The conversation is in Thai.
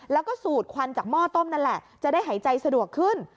แล้วก็สูดควันจากหม้อต้มนั่นแหละจะได้หายใจสะดวกขึ้น